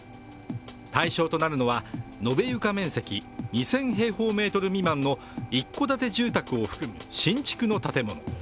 対象となるのは、延べ床面積２０００平方メートル未満の一戸建て住宅を含む新築の建物。